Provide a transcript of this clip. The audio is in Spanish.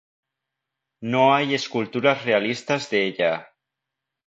No hay esculturas realistas de ella.